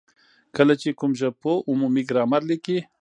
کله چي کوم ژبپوه عمومي ګرامر ليکي،